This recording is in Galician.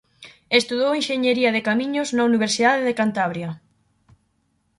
Estudou enxeñería de Camiños na Universidade de Cantabria.